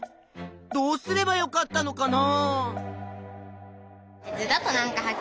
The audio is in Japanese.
どうすればよかったのかな？